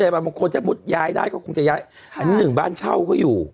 ได้ก็คงจะเย้ายค่ะอันนี้เหมือนบ้านเช่าก็อยู่